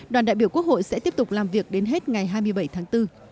đoàn đại biểu quốc hội sẽ tiếp tục làm việc đến hết ngày hai mươi bảy tháng bốn